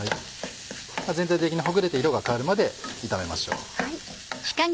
全体的にほぐれて色が変わるまで炒めましょう。